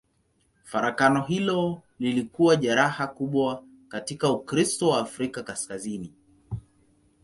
Farakano hilo lilikuwa jeraha kubwa katika Ukristo wa Afrika Kaskazini.